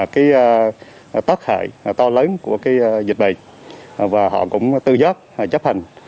những tác hại to lớn của dịch bệnh và họ cũng tư giác chấp hành